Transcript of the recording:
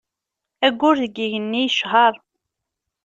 Ayyur deg yigenni yecher.